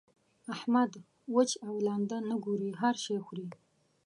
احمد؛ وچ او لانده نه ګوري؛ هر شی خوري.